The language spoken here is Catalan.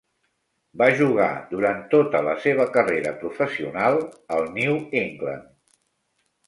Va jugar durant tota la seva carrera professional al New England.